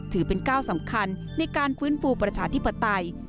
ถือเป็นก้าวสำคัญในการฟื้นฟูประชาธิปไตย